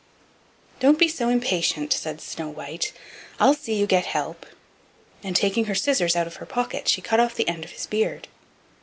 "Don't be so impatient," said Snow white, "I'll see you get help," and taking her scissors out of her pocket she cut off the end of his beard.